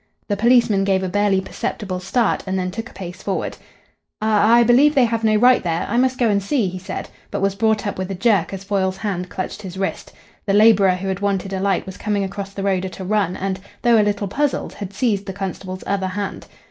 The policeman gave a barely perceptible start, and then took a pace forward. "I I believe they have no right there. I must go and see," he said, but was brought up with a jerk as Foyle's hand clutched his wrist. The labourer who had wanted a light was coming across the road at a run and, though a little puzzled, had seized the constable's other hand.